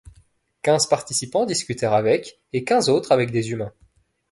Quinze participants discutèrent avec et quinze autres avec des humains.